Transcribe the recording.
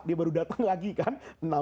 dia baru datang lagi kan